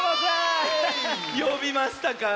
よびましたか？